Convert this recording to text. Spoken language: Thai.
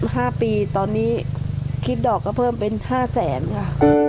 ห้าปีตอนนี้คิดดอกก็เพิ่มเป็นห้าแสนค่ะ